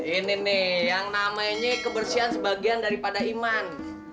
ini nih yang namanya kebersihan sebagian daripada iman